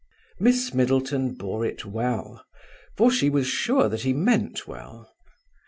Miss Middleton bore it well, for she was sure that he meant well.